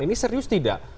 ini serius tidak